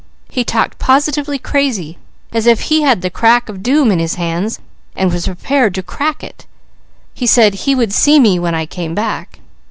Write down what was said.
He talked positively crazy, as if he had the crack of doom in his hands and were prepared to crack it. He said he 'would see me when I came back.'